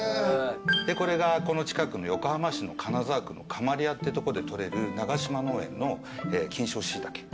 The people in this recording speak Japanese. でこれがこの近くの横浜市の金沢区の釜利谷ってとこでとれる永島農園の菌床椎茸。